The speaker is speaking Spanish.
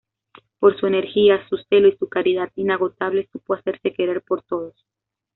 Por su energía, su celo y su caridad inagotable, supo hacerse querer por todos.